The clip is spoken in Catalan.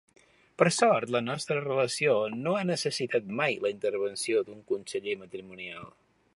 Per sort, la nostra relació no ha necessitat mai la intervenció d'un conseller matrimonial.